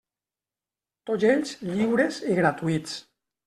Tots ells lliures i gratuïts.